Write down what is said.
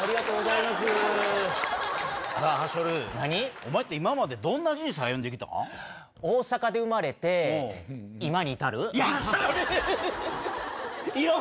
お前って今まで、どんな人生歩んできたん？